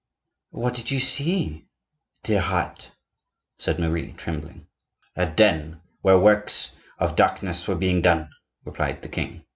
"What did you see, dear heart?" said Marie, trembling. "A den, where works of darkness were being done," replied the king.